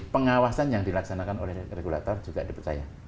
pengawasan yang dilaksanakan oleh regulator juga dipercaya